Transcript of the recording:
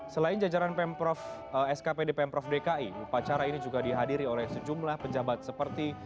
selain jajaran skpd pemprov dki upacara ini juga dihadiri oleh sejumlah pejabat seperti